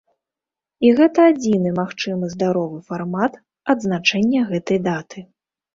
І гэта адзіны магчымы здаровы фармат адзначэння гэтай даты.